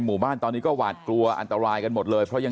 ชาวบ้านในพื้นที่บอกว่าปกติผู้ตายเขาก็อยู่กับสามีแล้วก็ลูกสองคนนะฮะ